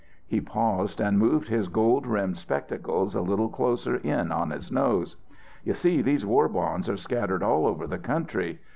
He paused and moved his gold rimmed spectacles a little closer in on his nose. "You see these war bonds are scattered all over the country.